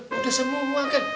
ya udah semua kan